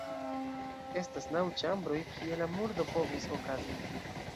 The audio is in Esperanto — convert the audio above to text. Estas naŭ ĉambroj, kie la murdo povis okazi.